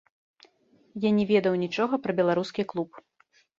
Я не ведаў нічога пра беларускі клуб.